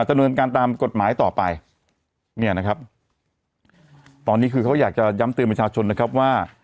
ดำเนินการตามกฎหมายต่อไปเนี่ยนะครับตอนนี้คือเขาอยากจะย้ำเตือนประชาชนนะครับว่า